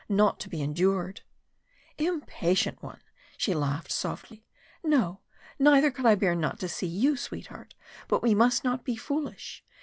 not to be endured " "Impatient one!" she laughed softly. "No neither could I bear not to see you, sweetheart, but we must not be foolish.